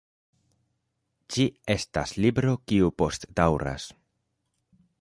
Ĝi estas libro kiu postdaŭras.